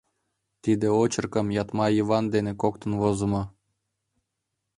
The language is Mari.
Тиде очеркым Ятман Йыван дене коктын возымо.